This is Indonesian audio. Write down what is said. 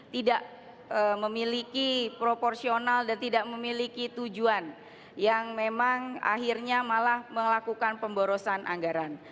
tidak memiliki proporsional dan tidak memiliki tujuan yang memang akhirnya malah melakukan pemborosan anggaran